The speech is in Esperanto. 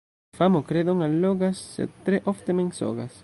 Famo kredon allogas, sed tre ofte mensogas.